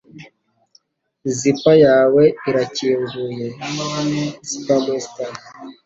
Zipper yawe irakinguye (Spamster)